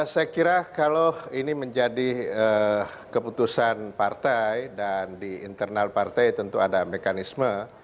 saya kira kalau ini menjadi keputusan partai dan di internal partai tentu ada mekanisme